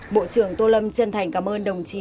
bộ trưởng tô lâm chân thành cảm ơn đồng chí